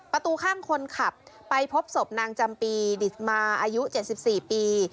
ประตูข้างคนขับไปพบศพนางจำปีดิสมาอายุ๗๔ปี